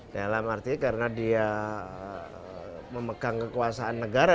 dalam arti karena dia memegang kekuasaan negara